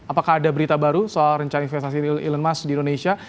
apakah ada berita baru soal rencana investasi real elon musk di indonesia